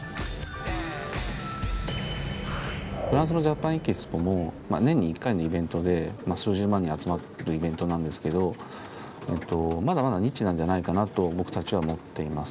フランスのジャパンエキスポも年に１回のイベントで数十万人集まるイベントなんですけどまだまだニッチなんじゃないかなと僕たちは思っています。